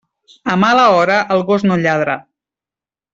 A mala hora, el gos no lladra.